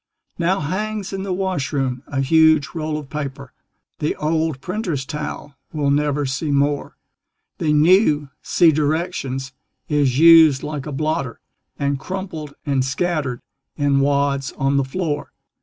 Now hangs in the washroom a huge roll of paper The old printer's towel we'll never see more. The new (see directions) is "used like a blotter," And crumpled and scattered in wads on the floor.